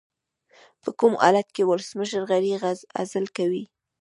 په کوم حالت کې ولسمشر غړی عزل کوي؟